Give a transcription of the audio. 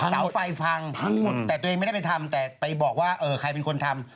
สาวไฟพังแต่ตัวเองไม่ได้ไปทำแต่ไปบอกว่าใครเป็นคนทำ